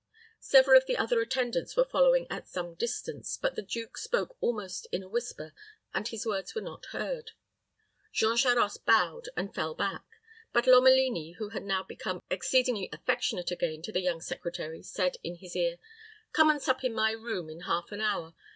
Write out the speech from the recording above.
Several of the other attendants were following at some distance; but the duke spoke almost in a whisper, and his words were not heard. Jean Charost bowed, and fell back; but Lomelini, who had now become exceedingly affectionate again to the young secretary, said in his ear, "Come and sup in my room in half an hour.